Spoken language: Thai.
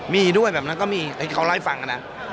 มีด้วยแบบนั้นก็มีเขาล่ายฟังกันนะใช่